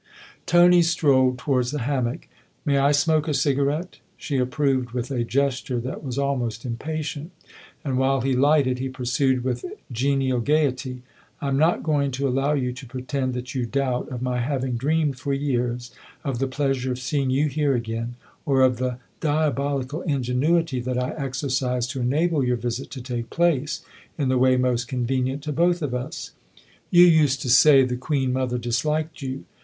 Tony strolled towards the hammock. " May I smoke a cigarette ?" She approved with a gesture ,that was almost impatient, and while he lighted he pursued with genial gaiety :" I'm not going to allow you to pretend that you doubt of my having dreamed for years of the pleasure of seeing you here again, or of the diabolical ingenuity that I exercised to enable your visit to take place in the way most convenient to both of us. You used to say the queen mother disliked you.